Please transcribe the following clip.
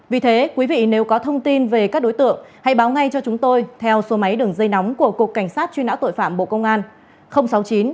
vì thế quý vị nếu có thông tin về các đối tượng hãy báo ngay cho chúng tôi theo số máy đường dây nóng của cục cảnh sát truy nã tội phạm bộ công an sáu mươi chín